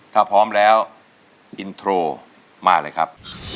ถ้าพร้อมแล้วอินโทรมาเลยครับ